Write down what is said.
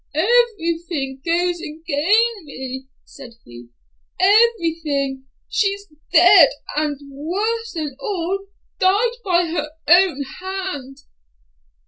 "Everything goes ag'in me," said he, "everything—she's dead and, worse than all, died by her own hand."